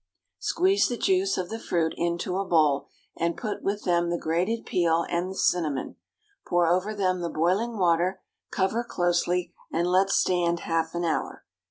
Squeeze the juice of the fruit into a bowl, and put with them the grated peel and the cinnamon. Pour over them the boiling water, cover closely, and let them stand half an hour.